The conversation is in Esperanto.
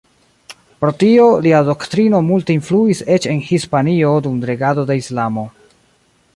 Pro tio, lia doktrino multe influis eĉ en Hispanio dum regado de Islamo.